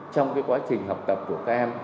trong cái quá trình học tập của các em